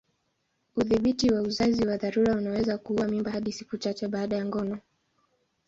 Udhibiti wa uzazi wa dharura unaweza kuua mimba hadi siku chache baada ya ngono.